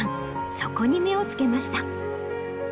そこに目をつけました。